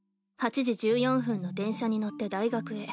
８時１４分の電車に乗って大学へ。